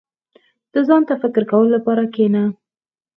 • د ځان ته فکر کولو لپاره کښېنه.